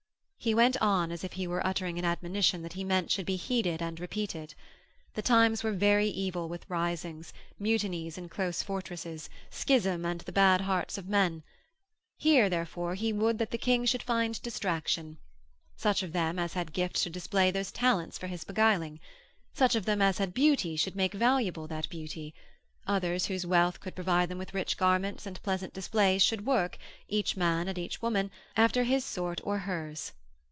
He went on as if he were uttering an admonition that he meant should be heeded and repeated. The times were very evil with risings, mutinies in close fortresses, schism, and the bad hearts of men. Here, therefore, he would that the King should find distraction. Such of them as had gifts should display those talents for his beguiling; such of them as had beauty should make valuable that beauty; others whose wealth could provide them with rich garments and pleasant displays should work, each man and each woman, after his sort or hers.